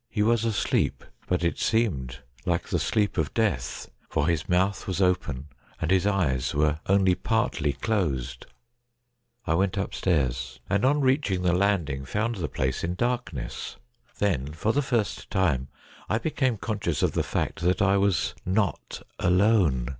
He was asleep, but it seemed like the sleep of death, for his mouth was open, and his eyes were only partly closed. I went upstairs, and on reaching the landing found the place in darkness. Then, for the first time, I became consci ous of the fact that I was not alone.